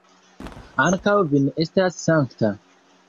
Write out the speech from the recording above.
Ankaŭ vi ne estas sankta.